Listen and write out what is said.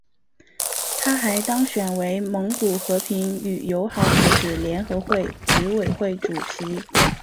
他还当选为蒙古和平与友好组织联合会执委会主席。